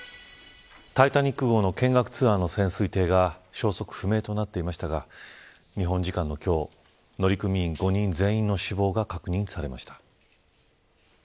タイタニック号の見学ツアーの潜水艇が消息不明となっていましたが日本時間の今日乗組員５人全員の死亡が確認されました。